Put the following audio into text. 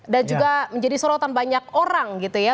dan juga menjadi sorotan banyak orang gitu ya